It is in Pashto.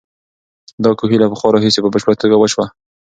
دا کوهی له پخوا راهیسې په بشپړه توګه وچ و.